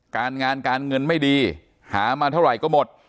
การงานการเงินไม่ดีหามาเท่าไหร่ก็หมด